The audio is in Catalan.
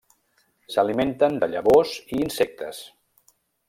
S'alimenten de llavors i insectes.